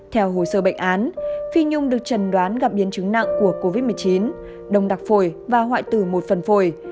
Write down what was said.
theo hồ sơ bệnh án phi nhung được trần đoán gặp biến chứng nặng của covid một mươi chín đồng đặc phổi và hoại tử một phần phổi